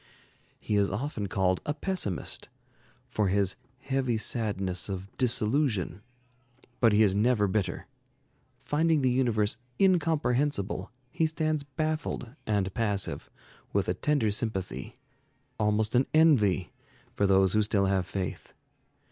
He is often called a pessimist, for his "heavy sadness of disillusion"; but he is never bitter. Finding the universe incomprehensible, he stands baffled and passive, with a tender sympathy, almost an envy, for those who still have faith.